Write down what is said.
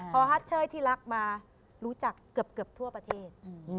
พอฮัตเชยที่รักมารู้จักเกือบทั่วประเทศ